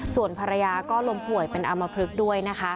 ส่วนภรรยาก็ล้มป่วยเป็นอามพลึกด้วยนะคะ